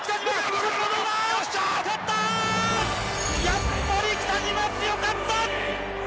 やっぱり北島は強かった！